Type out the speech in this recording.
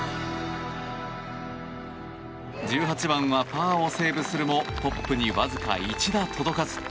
１８番はパーをセーブするもトップにわずか１打届かず。